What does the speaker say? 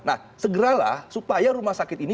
nah segeralah supaya rumah sakit ini